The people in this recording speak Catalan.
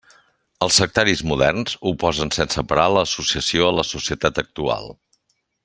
Els sectaris moderns oposen sense parar l'associació a la societat actual.